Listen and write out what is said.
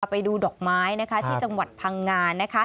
ไปดูดอกไม้ที่จังหวัดพังงานะคะ